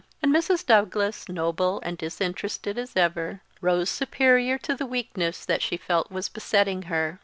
And Mrs. Douglas, noble and disinterested as ever, rose superior to the weakness that she felt was besetting her.